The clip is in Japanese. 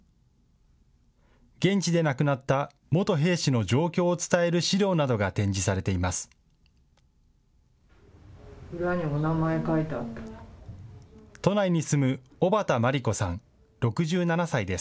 現地で亡くなった元兵士の状況を伝える資料などが展示されています。